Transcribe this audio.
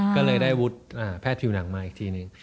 ก็เลยได้วุฒิพภิภิลหนังมาอีกทีหนึ่ง